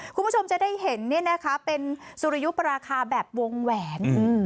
คุณผู้ชมจะได้เห็นเป็นสุริยุปราคาแบบวงแหวน